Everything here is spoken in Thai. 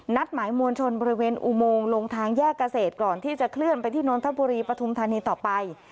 หมายมวลชนบริเวณอุโมงลงทางแยกเกษตรก่อนที่จะเคลื่อนไปที่นนทบุรีปฐุมธานีต่อไป